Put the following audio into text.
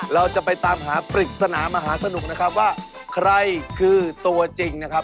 เราจะไปตามหาปริศนามหาสนุกนะครับว่าใครคือตัวจริงนะครับ